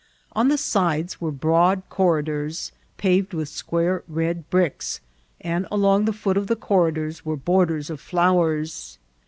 On the sides were broad corridors paved with square red bricks, and along the foot of the corridors were borders of flowers.